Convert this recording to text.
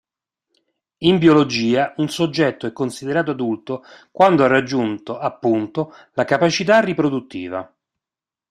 In biologia un soggetto è considerato adulto quando ha raggiunto, appunto, la capacità riproduttiva.